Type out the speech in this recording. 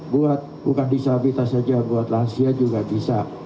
buat bukan disabilitas saja buat lansia juga bisa